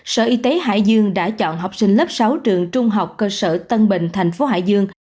sở y tế hải dương đã chọn học sinh lớp sáu trường trung học cơ sở tân bình thành phố hải dương